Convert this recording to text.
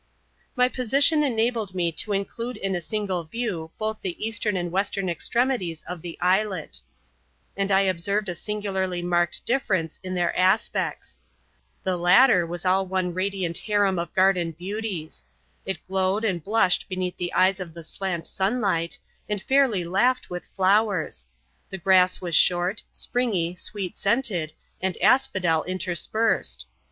My position enabled me to include in a single view both the eastern and western extremities of the islet; and I observed a singularly marked difference in their aspects. The latter was all one radiant harem of garden beauties. It glowed and blushed beneath the eyes of the slant sunlight, and fairly laughed with flowers. The grass was short, springy, sweet scented, and asphodel interspersed.